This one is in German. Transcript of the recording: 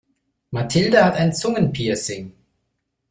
Mathilde hat ein Zungenpiercing.